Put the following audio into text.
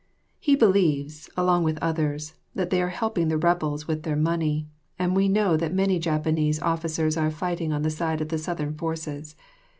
He believes, along with others, that they are helping the rebels with their money, and we know that many Japanese officers are fighting on the side of the Southern forces.